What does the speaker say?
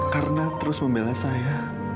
karena terus membela saya